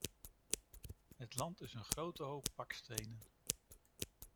Het land is een grote hoop bakstenen.